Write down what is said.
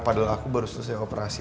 padahal aku baru selesai operasi